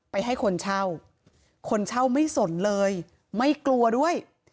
ให้คนเช่าคนเช่าไม่สนเลยไม่กลัวด้วย